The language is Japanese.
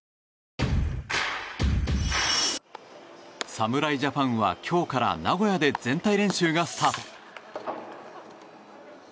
侍ジャパンは、今日から名古屋で全体練習がスタート。